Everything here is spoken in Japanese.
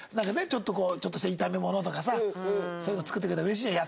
ちょっとこうちょっとした炒め物とかさそういうの作ってくれたらうれしいじゃない？